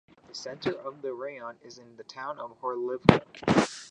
The center of the raion is in the town of Horlivka.